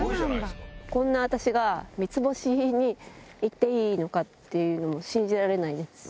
こんな私が三ツ星に行っていいのかっていうのは、信じられないですし。